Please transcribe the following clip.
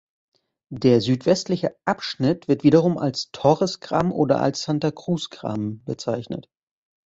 Der südwestliche Abschnitt wird wiederum als "Torres-Graben" oder als "Santa-Cruz-Graben" bezeichnet.